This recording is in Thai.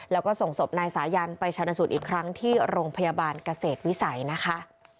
แล้วก็ส่งศพนายสายันไปชนะสูตรอีกครั้งที่โรงพยาบาลเกษตรวิสัยนะคะ